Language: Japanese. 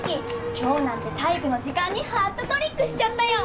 今日なんて体育の時間にハットトリックしちゃったよ！